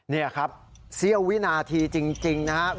นี่ครับเสี้ยววินาทีจริงนะครับ